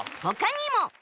他にも